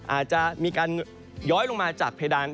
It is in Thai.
อาจจะมีการย้อยลงมาจากเพดาน